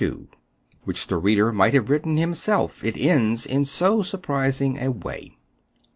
WHICH THE READER MIGHT HAVE WRITTEN HIM SELF, IT ENDS IN SO SURPRISING A WAY.